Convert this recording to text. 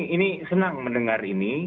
ini senang mendengar ini